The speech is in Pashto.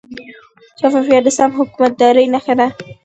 شفافیت د سم حکومتدارۍ نښه ده.